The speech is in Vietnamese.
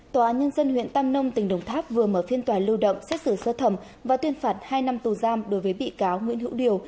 tòa án nhân dân huyện tam nông tỉnh đồng tháp vừa mở phiên tòa lưu động xét xử sơ thẩm và tuyên phạt hai năm tù giam đối với bị cáo nguyễn hữu điều